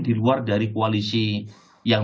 di luar dari koalisi yang